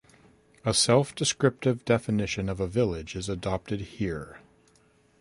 A self-descriptive definition of a village is adopted here.